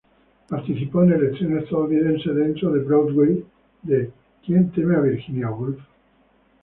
Participó en el estreno estadounidense dentro de Broadway de "Who's Afraid of Virginia Woolf?